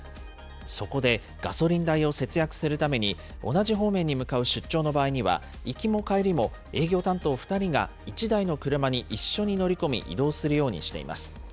そこで、ガソリン代を節約するために、同じ方面に向かう出張の場合には、行きも帰りも営業担当２人が１台の車に一緒に乗り込み移動するようにしています。